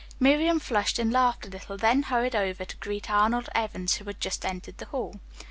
Miriam flushed and laughed a little, then hurried over to greet Arnold Evans, who had just entered the hall.